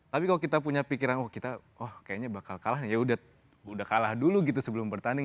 tapi kalau kita punya pikiran oh kita oh kayaknya bakal kalah ya udah kalah dulu gitu sebelum bertanding